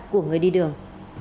của người đi đường